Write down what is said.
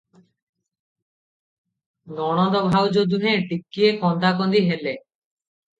ନଣନ୍ଦ ଭାଉଜ ଦୁହେଁ ଟିକିଏ କନ୍ଦାକନ୍ଦିହେଲେ ।